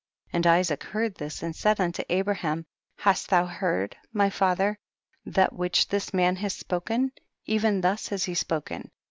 32. And Isaac heard this, and said unto Abraham, hast thou heard, my father, that which this man has spoken ? even thus has he spoken.